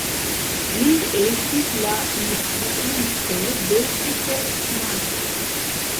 Li estis la instruisto de Peter Martin.